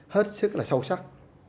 hết sức là sâu sắc